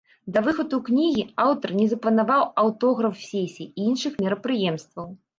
Да выхаду кнігі аўтар не запланаваў аўтограф-сесій і іншых мерапрыемстваў.